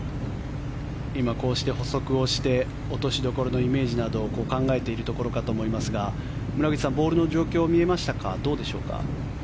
今こうして歩測をして落としどころのイメージなどを考えているところかと思いますが村口さんボールの状況は見えましたか。